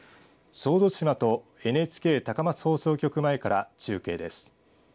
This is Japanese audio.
小豆島とＮＨＫ高松放送局前から中継です。